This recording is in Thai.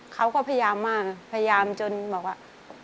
เขาก็พยายามมากพยายามจนบอกว่า